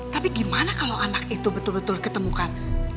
tapi gimana kalau anak itu betul betul ketemukan